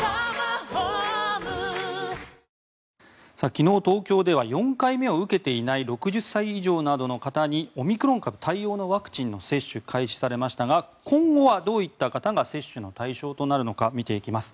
昨日、東京では４回目を受けていない６０歳以上などの方にオミクロン株対応のワクチンの接種が開始されましたが今後はどういった方が接種の対象となるのか見ていきます。